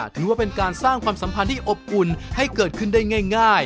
ถือว่าเป็นการสร้างความสัมพันธ์ที่อบอุ่นให้เกิดขึ้นได้ง่าย